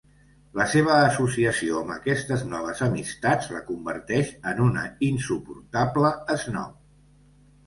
La seva associació amb aquestes noves amistats la converteix en una insuportable esnob.